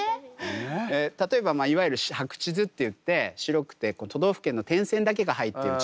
例えばいわゆる白地図っていって白くて都道府県の点線だけが入ってる地図があるんですね。